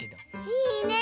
いいね！